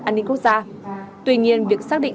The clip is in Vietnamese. an ninh quốc gia tuy nhiên việc xác định